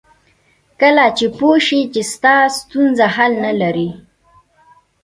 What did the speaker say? کله چې پوه شې ستا ستونزه حل نه لري.